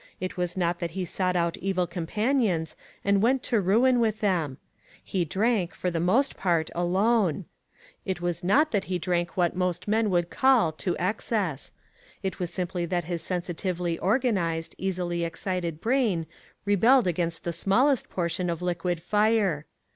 It was not that he sought out evilv companions and went to ruin with them. He drank, for the most part, alone. It was not that he drank what most men would call to excess. It was simply that his sensitively organized, easily excited brain rebelled against the smallest portion of liquid fire.